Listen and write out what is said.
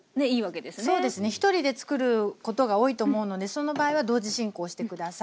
ひとりで作ることが多いと思うのでその場合は同時進行して下さい。